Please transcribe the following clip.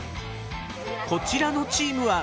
こちらのチームは。